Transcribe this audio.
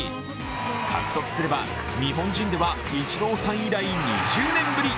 獲得すれば日本人ではイチローさん以来２０年ぶり。